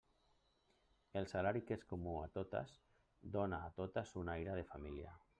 El salari, que és comú a totes, dóna a totes un aire de família.